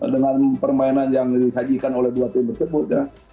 dengan permainan yang disajikan oleh dua tim tersebut ya